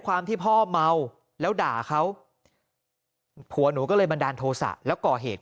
ความที่พ่อเมาแล้วด่าเขาผัวหนูก็เลยบันดาลโทษะแล้วก่อเหตุ